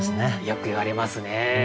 よく言われますね。